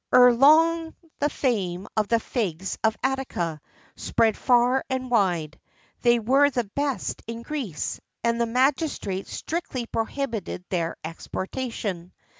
[XIII 49] Ere long the fame of the figs of Attica spread far and wide: they were the best in Greece; and the magistrates strictly prohibited their exportation.